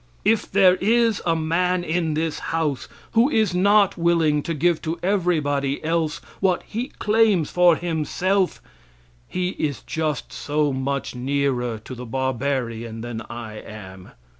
If there is a man in this house who is not willing to give to everybody else what he claims for himself he is just so much nearer to the barbarian than I am.